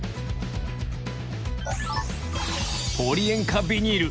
ポリ塩化ビニル。